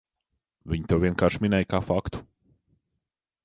Viņa to vienkārši minēja kā faktu.